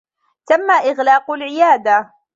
تمّ إغلاق العيادة.